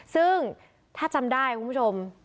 ซึ่งถ้าจำได้คุณผู้ชม